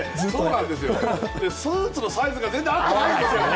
スーツのサイズが全然合ってないんですよね。